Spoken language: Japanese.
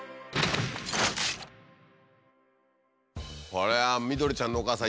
これはみどりちゃんのお母さん